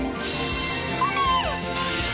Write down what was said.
コメ！